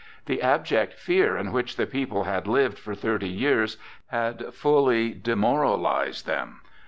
The abject fear in which the people had lived for thirty years had fully demoralized them.